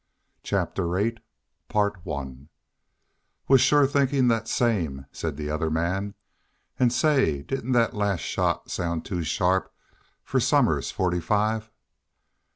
CHAPTER VIII "Was shore thinkin' thet same," said the other man. "An', say, didn't thet last shot sound too sharp fer Somers's forty five?"